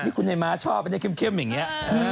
นี่คุณไอ้ม้าชอบไอ้ในเค็มอย่างนี้